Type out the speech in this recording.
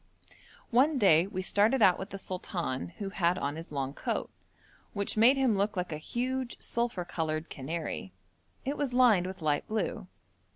One day we started out with the sultan, who had on his long coat, which made him look like a huge, sulphur coloured canary. It was lined with light blue.